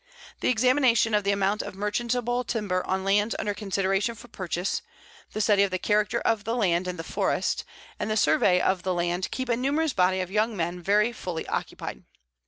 The examination of the amount of merchantable timber on lands under consideration for purchase, the study of the character of the land and the forest, and the survey of the land keep a numerous body of young men very fully occupied.